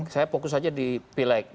saya fokus saja di pileg